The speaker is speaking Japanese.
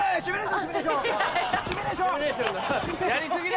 シミュレーションだな。